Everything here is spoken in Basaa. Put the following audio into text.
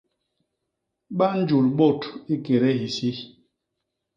Ba njul bôt i kédé hisi.